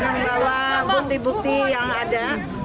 kita senang membawa bukti bukti yang ada